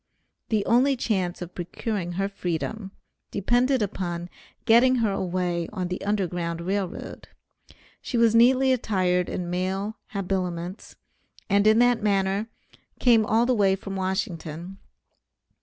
The only chance of procuring her freedom, depended upon getting her away on the Underground Rail Road. She was neatly attired in male habiliments, and in that manner came all the way from Washington.